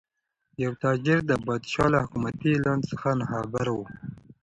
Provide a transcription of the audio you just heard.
یو تاجر د پادشاه له حکومتي اعلان څخه ناخبره و.